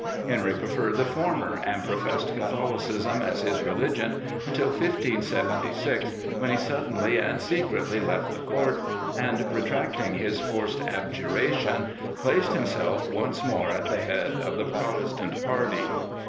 Henry preferred the former and professed Catholicism as his religion until 1576, when he suddenly and secretly left the court, and, retracting his forced abjuration, placed himself once more at the head of the Protestant party.